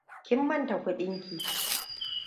Kin manta kuɗinki?